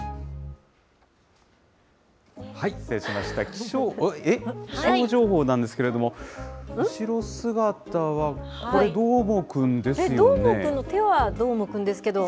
気象情報なんですけれども、後姿は、これ、どーもくんですよね？